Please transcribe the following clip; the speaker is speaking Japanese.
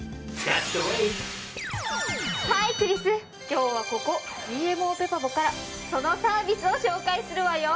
今日はここＧＭＯペパボからそのサービスを紹介するわよ。